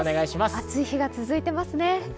暑い日が続いていますね。